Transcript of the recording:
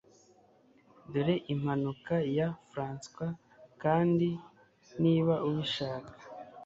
dore impanuka ya François kandi niba ubishaka